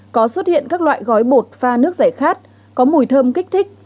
có xuất hiện các loại gói bột pha nước giải khát có mùi thơm kích thích